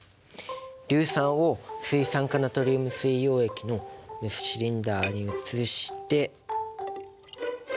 硫酸を水酸化ナトリウム水溶液のメスシリンダーに移して。